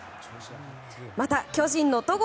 また、巨人の戸郷